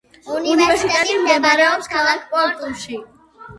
უნივერსიტეტი მდებარეობს ქალაქ პორტუში.